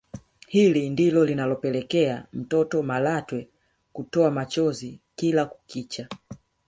Na hili ndilo linalopelekea mtoto Malatwe kutoa machozi kila kukicha